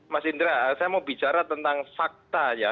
mas indra saya mau bicara tentang fakta ya